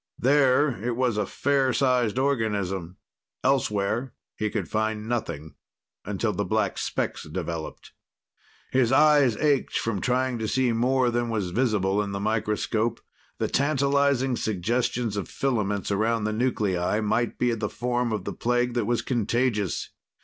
There it was a fair sized organism. Elsewhere he could find nothing, until the black specks developed. His eyes ached from trying to see more than was visible in the microscope. The tantalizing suggestions of filaments around the nuclei might be the form of plague that was contagious.